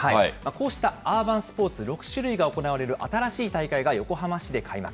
こうしたアーバンスポーツ６種類が行われる、新しい大会が横浜市で開幕。